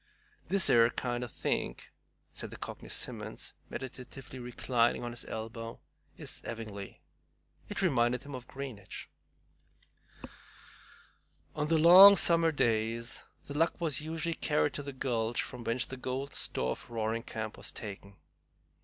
"This 'ere kind o' think," said the Cockney Simmons, meditatively reclining on his elbow, "is 'evingly." It reminded him of Greenwich. On the long summer days The Luck was usually carried to the gulch from whence the golden store of Roaring Camp was taken.